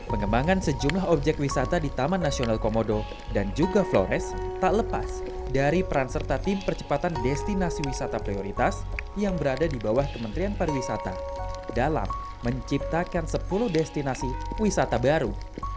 pengembangan sejumlah objek wisata di taman nasional komodo dan juga flores tak lepas dari peran serta tim percepatan destinasi wisata prioritas yang berada di bawah kementerian pariwisata dalam menciptakan sepuluh destinasi wisata baru